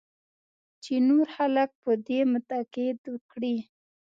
چې نور خلک په دې متقاعد کړې.